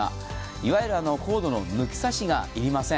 いわゆるコードの抜き差しが要りません。